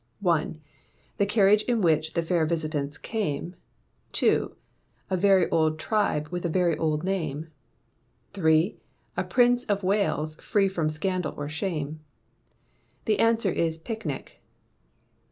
1 The carriage in which the fair visitants came: 2 A very old tribe with a very old name; 3 A brave Prince of Wales free from scandal or shame. The answer is Picnic.